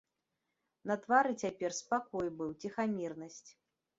На твары цяпер спакой быў, ціхамірнасць.